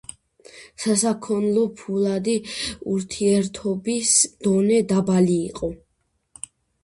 სასაქონლო-ფულადი ურთიერთობის დონე დაბალი იყო.